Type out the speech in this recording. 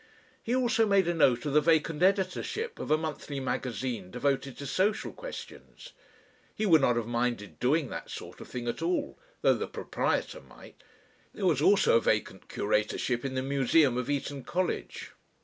He also made a note of the vacant editorship of a monthly magazine devoted to social questions. He would not have minded doing that sort of thing at all, though the proprietor might. There was also a vacant curatorship in the Museum of Eton College.